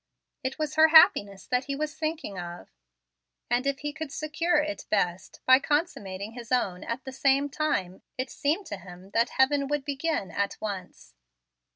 It was her happiness that he was thinking of, and if he could secure it best by consummating his own at the same time, it seemed to him that heaven would begin at once.